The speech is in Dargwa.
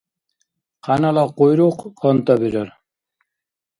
Къянала къуйрукъ къантӀа бирар.